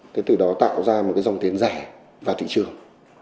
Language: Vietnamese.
thế từ đó tạo ra một cái dòng tiền rẻ vào thị trường